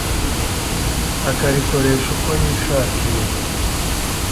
akarikoresha uko yishakiye,